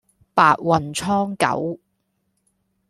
白雲蒼狗